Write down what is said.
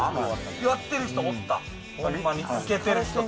やってる人おった。